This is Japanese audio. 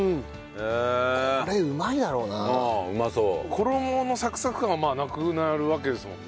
衣のサクサク感がなくなるわけですもんね。